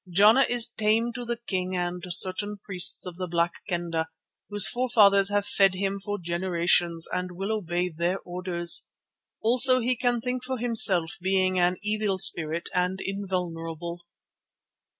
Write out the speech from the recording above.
Jana is tame to the king and certain priests of the Black Kendah, whose forefathers have fed him for generations, and will obey their orders. Also he can think for himself, being an evil spirit and invulnerable."